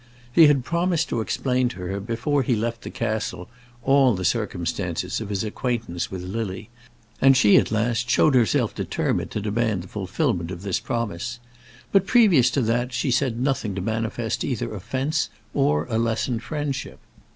He had promised to explain to her before he left the castle all the circumstances of his acquaintance with Lily, and she at last showed herself determined to demand the fulfilment of this promise; but, previous to that, she said nothing to manifest either offence or a lessened friendship.